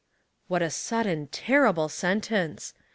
What a sudden, terrible sentence!